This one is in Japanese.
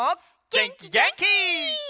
げんきげんき！